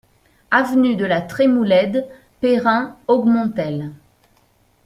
Avenue de la Trémoulède, Payrin-Augmontel